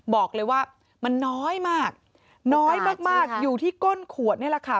บอกเลยว่ามันน้อยมากน้อยมากอยู่ที่ก้นขวดนี่แหละค่ะ